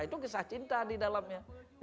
itu kisah cinta di dalamnya